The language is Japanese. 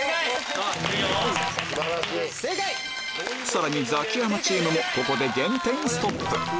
さらにザキヤマチームもここで減点ストップ